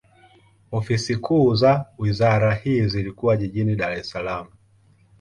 Ofisi kuu za wizara hii zilikuwa jijini Dar es Salaam.